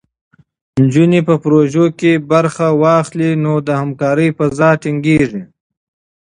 نجونې په پروژو کې برخه واخلي، نو د همکارۍ فضا ټینګېږي.